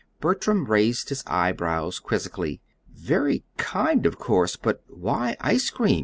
Bertram raised his eyebrows quizzically. "Very kind, of course; but why ice cream?"